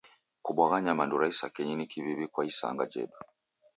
Kubwagha nyamandu ra isakenyi ni kiw'iw'i kwa isanga jedu.